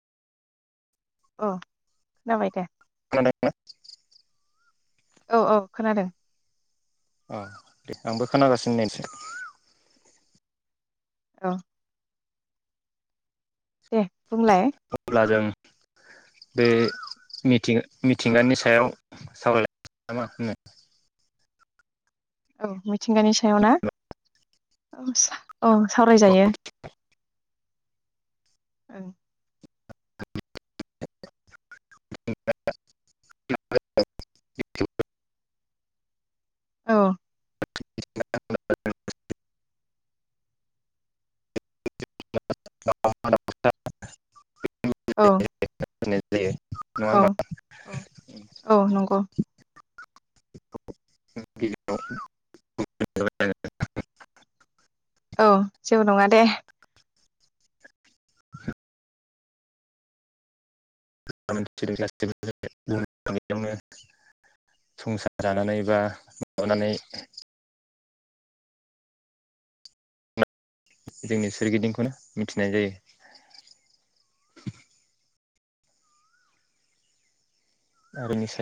औ खोनाबाय दे। खोनादों ना? औ औ खोनादों। अ दे आंबो खोनागासिनो नै एसे। औ। दे बुंलाय। अब्ला जों बे मिथि-मिथिंगानि सायाव सावराय नामा होनो। औ मिथिंगानि सायाव ना ओं औ सावरायजायो। [unintelligible] ओं [unintelligible] औ [unintelligible] [inaudible] औ [inaudible] जायो नङा औ होमबा औ औ नंगौ [inaudible] औ जेबो नङा दे [inaudible] संसार जानानै बा माबानानै जोंनि सोरगिदिंखौनो मिथिनाय जायो। आरो निसा